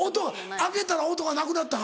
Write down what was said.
開けたら音がなくなったん？